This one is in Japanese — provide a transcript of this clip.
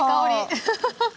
アハハハハ。